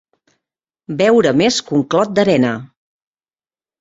Beure més que un clot d'arena.